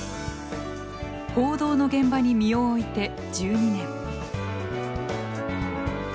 報道の現場に身を置いて１２年。